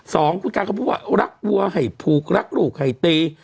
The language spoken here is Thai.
สองคุณการเขาพูดว่ารักวัวให้ผูกรักลูกให้ตี